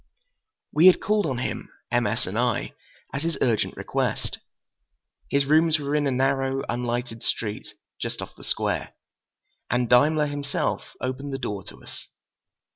We had called on him, M. S. and I, at his urgent request. His rooms were in a narrow, unlighted street just off the square, and Daimler himself opened the door to us.